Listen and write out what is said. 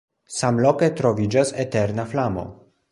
Samloke troviĝas eterna flamo.